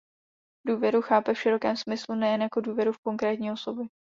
Důvěru chápe v širokém smyslu nejen jako důvěru v konkrétní osoby.